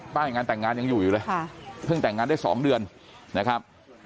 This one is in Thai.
งานแต่งงานยังอยู่อยู่เลยเพิ่งแต่งงานได้๒เดือนนะครับ